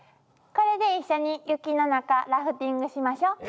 これで一緒に雪の中ラフティングしましょ。